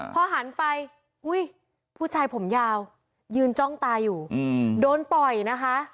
พอหันไปอุ้ยผู้ชายผมยาวยืนจ้องตาอยู่โดนต่อยนะคะ